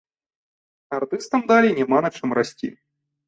Артыстам далей няма на чым расці.